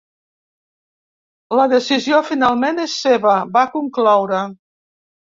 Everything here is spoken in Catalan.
La decisió finalment és seva, va concloure.